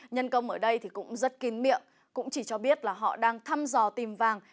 nhân công ở đây thì cũng rất kín miệng cũng chỉ cho biết là họ đang thăm dò tìm vàng